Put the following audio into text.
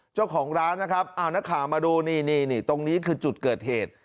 เจ้าของร้านนะครับเอานักข่าวมาดูนี่ตรงนี้คือจุดเกิดเหตุ